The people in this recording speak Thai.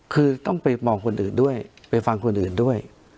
คือต้องไปมองคนอื่นด้วยไปฟังคนอื่นด้วย